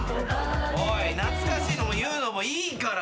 おい懐かしいのを言うのもいいから。